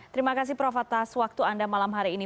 terima kasih prof atas waktu anda malam hari ini